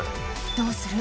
どうする？